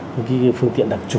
những cái phương tiện đặc trụ